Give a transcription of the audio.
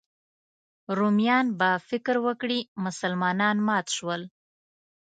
رومیان به فکر وکړي مسلمانان مات شول.